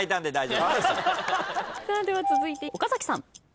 では続いて岡崎さん。